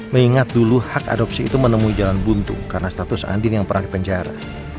mengingat dulu hak adopsi itu menemui jalan buntu karena status andin yang pernah dipenjara